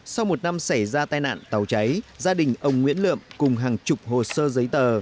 sau một năm xảy ra tai nạn tàu cháy gia đình ông nguyễn lượm cùng hàng chục hồ sơ giấy tờ